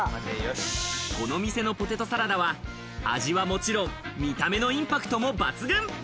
この店のポテトサラダは味はもちろん見た目のインパクトも抜群。